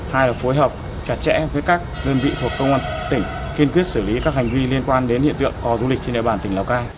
hai là phối hợp chặt chẽ với các đơn vị thuộc công an tỉnh kiên quyết xử lý các hành vi liên quan đến hiện tượng có du lịch trên địa bàn tỉnh lào cai